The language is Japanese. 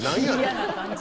嫌な感じ。